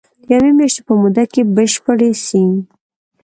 د يوې مياشتي په موده کي بشپړي سي.